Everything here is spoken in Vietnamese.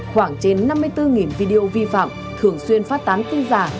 khoảng trên năm mươi bốn video vi phạm thường xuyên phát tán tin giả